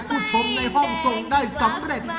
ผู้ชมในห้องทรงได้สำเร็จ